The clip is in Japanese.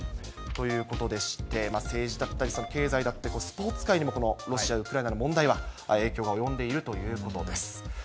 ということでして、政治だったり、経済だったり、スポーツ界にもこのロシア、ウクライナの問題が影響が及んでいるということです。